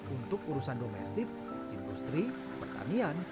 untuk urusan domestik industri pertanian